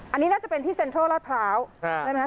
อันนี้น่าจะเป็นที่เซ็นทรัลลาดพร้าวใช่ไหมค